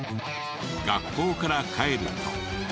学校から帰ると。